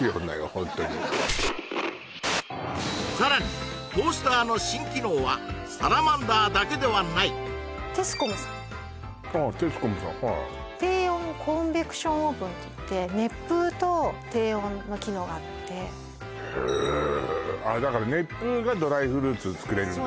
ホントにさらにトースターの新機能はサラマンダーだけではないテスコムさんああテスコムさんはい低温コンベクションオーブンっていっての機能があってへえだから熱風がドライフルーツ作れるんだ